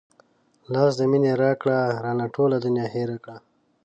لاس د مينې راکړه رانه ټوله دنيا هېره کړه